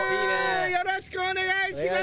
よろしくお願いします！